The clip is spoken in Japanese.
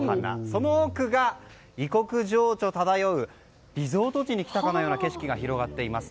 その奥が、異国情緒漂うリゾート地に来たかのような気分になります。